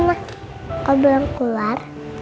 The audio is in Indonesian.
kok belum keluar